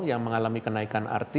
yang mengalami kenaikan rt